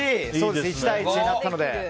１対１になったので。